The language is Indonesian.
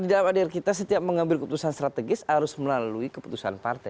jadi pada saat kita setiap mengambil keputusan strategis harus melalui keputusan partai